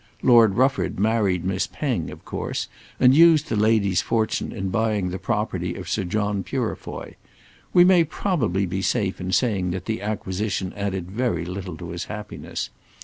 Lord Rufford married Miss Penge of course, and used the lady's fortune in buying the property of Sir John Purefoy. We may probably be safe in saying that the acquisition added very little to his happiness.